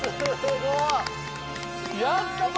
やったぞ！